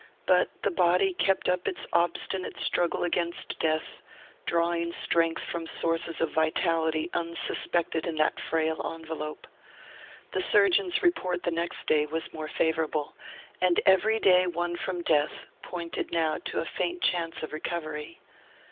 But the body kept up its obstinate struggle against death, drawing strength from sources of vitality unsuspected in that frail envelope. The surgeon's report the next day was more favourable, and every day won from death pointed now to a faint chance of recovery.